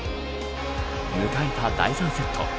迎えた第３セット。